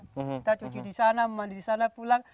kita cuci di sana mandi di sana pulang